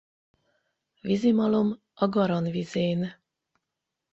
Vizi malom a Garan vizén.